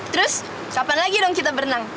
terus kapan lagi dong kita berenang